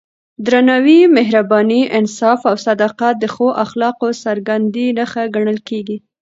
درناوی، مهرباني، انصاف او صداقت د ښو اخلاقو څرګندې نښې ګڼل کېږي.